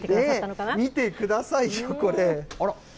見てくださいよ、これ。